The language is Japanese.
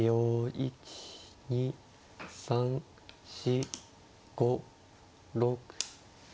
１２３４５６。